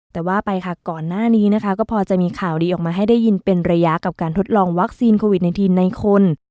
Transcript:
แต่ว่าไปค่ะก่อนหน้านี้นะคะก็พอจะมีข่าวดีออกมาให้ได้ยินเป็นระยะกับการทดลองวัคซีนโควิด๑๙ในคน